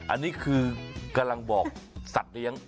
อันนี้คือกำลังบอกสัตว์เลี้ยง